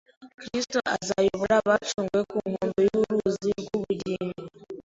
Kristo azayobora abacunguwe ku nkombe y’uruzi rw’ubugingo